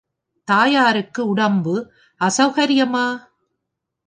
தாயாருக்கு உடம்பு அசௌகரியமா?